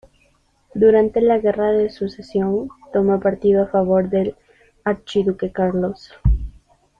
Durante la Guerra de Sucesión tomó partido a favor del archiduque Carlos.